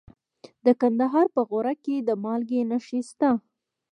د کندهار په غورک کې د مالګې نښې شته.